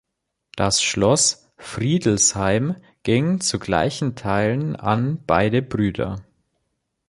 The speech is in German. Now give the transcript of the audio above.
Das Schloss Friedelsheim ging zu gleichen Teilen an beide Brüder.